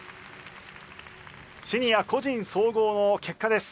シニア個人総合の結果です。